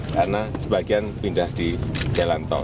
karena sebagian pindah di jalan tol